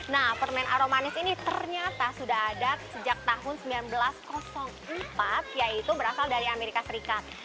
nah permen aromanis ini ternyata sudah ada sejak tahun seribu sembilan ratus empat yaitu berasal dari amerika serikat